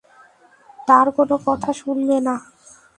তার কোন কথা শুনবে না।